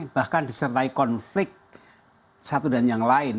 bahkan disertai konflik satu dan yang lain